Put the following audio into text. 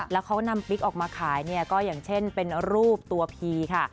แล้วเขานำปิ๊กออกมาขายเนี่ยก็อย่างเช่นเป็นรูปตัวพีค่ะ